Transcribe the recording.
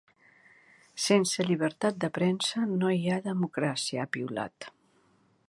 “Sense llibertat de premsa no hi ha democràcia”, ha piulat.